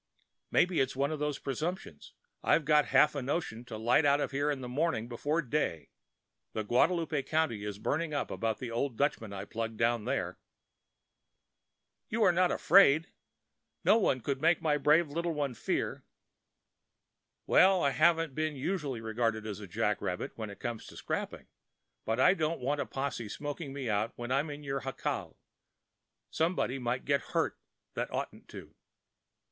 Maybe it's one of them presumptions. I've got half a notion to light out in the morning before day. The Guadalupe country is burning up about that old Dutchman I plugged down there." "You are not afraid—no one could make my brave little one fear." "Well, I haven't been usually regarded as a jack rabbit when it comes to scrapping; but I don't want a posse smoking me out when I'm in your jacal. Somebody might get hurt that oughtn't to."